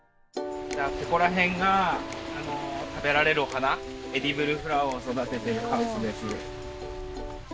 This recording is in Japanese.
ここらへんが食べられるお花エディブルフラワーを育てているハウスです。